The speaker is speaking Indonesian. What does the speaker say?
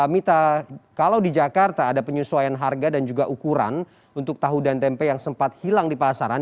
mita kalau di jakarta ada penyesuaian harga dan juga ukuran untuk tahu dan tempe yang sempat hilang di pasaran